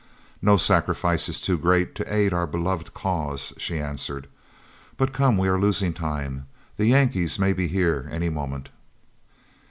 "No sacrifice is too great to aid our beloved cause," she answered; "but come, we are losing time, the Yankees may be here any moment."